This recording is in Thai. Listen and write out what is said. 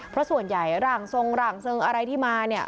เพราะส่วนใหญ่ร่างทรงร่างทรงอะไรที่มาเนี่ย